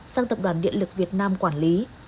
sang tập đoàn điện lực việt nam quản lý